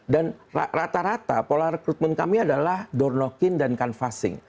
dan rata rata pola rekrutmen kami adalah door knocking dan canvassing